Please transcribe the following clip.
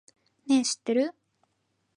ねぇ、知ってる？